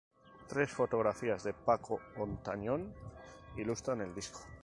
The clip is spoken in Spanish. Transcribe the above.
Tres fotografías de Paco Ontañón ilustran el disco.